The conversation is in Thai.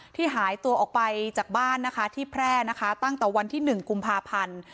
หายตัวออกไปจากบ้านนะคะที่แพร่นะคะตั้งแต่วันที่๑กุมภาพันธ์